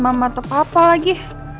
mama atau papa lagi